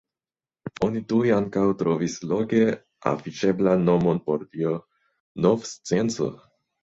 Oni tuj ankaŭ trovis loge afiŝeblan nomon por tio: nov-scienco.